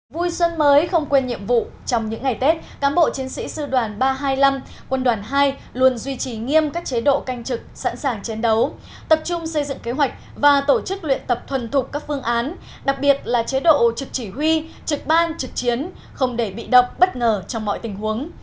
vui xuân mới không quên nhiệm vụ trong những ngày tết cán bộ chiến sĩ sư đoàn ba trăm hai mươi năm quân đoàn hai luôn duy trì nghiêm các chế độ canh trực sẵn sàng chiến đấu tập trung xây dựng kế hoạch và tổ chức luyện tập thuần thục các phương án đặc biệt là chế độ trực chỉ huy trực ban trực chiến không để bị động bất ngờ trong mọi tình huống